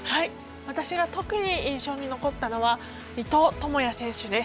私が特に印象に残ったのは伊藤智也選手です。